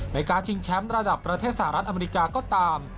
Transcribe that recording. ในการชิงแชมป์ระดับประเทศสหรัฐอเมริกาก็ตาม